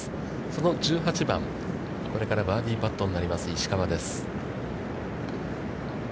その１８番、これからバーディーパットになります石川です。